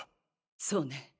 そうね！